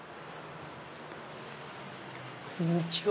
こんにちは。